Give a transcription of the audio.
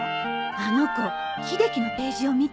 あの子秀樹のページを見てる。